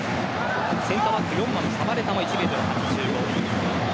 センターバック４番のサヴァレタも１ｍ８５。